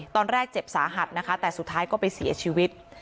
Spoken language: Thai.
ตอนแรกเจ็บสาหัสนะคะแต่สุดท้ายก็ไปเสียชีวิต